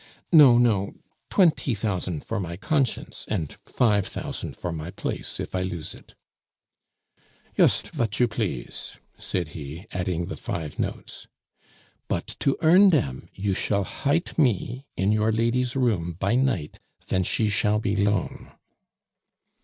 "No, no. Twenty thousand for my conscience, and five thousand for my place if I lose it " "Yust vat you please," said he, adding the five notes. "But to earn dem you shall hite me in your lady's room by night ven she shall be 'lone."